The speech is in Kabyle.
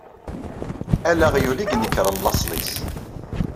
Ala aɣyul i yenekṛen laṣel-is.